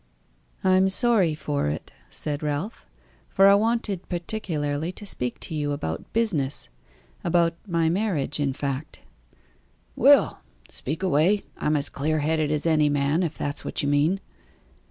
"I am sorry for it," said Ralph, "for I wanted particularly to speak to you about business about my marriage, in fact." "Well! speak away, I'm as clear headed as any man, if that's what you mean."